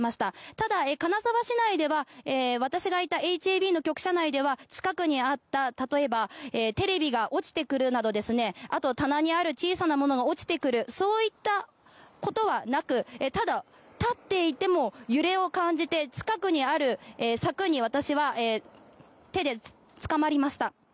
ただ、金沢市内では私がいたＨＡＢの局舎内では近くにあった例えばテレビが落ちてくるなどあと、棚にある小さなものが落ちてくるそういったことはなくただ、立っていても揺れを感じて、近くにある柵に私は手でつかまりました。